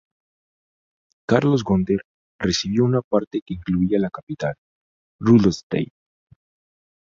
Carlos Gunter recibió una parte que incluía la capital, Rudolstadt.